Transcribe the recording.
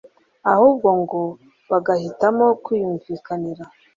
ahubwo ngo bagahitamo kwiyumvikanira